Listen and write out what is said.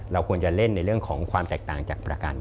ควรจะเล่นในเรื่องของความแตกต่างจากประกัน